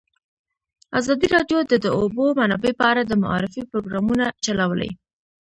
ازادي راډیو د د اوبو منابع په اړه د معارفې پروګرامونه چلولي.